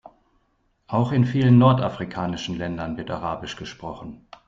Auch in vielen nordafrikanischen Ländern wird arabisch gesprochen.